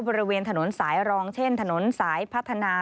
บริเวณถนนสายรองเช่นถนนสายพัฒนา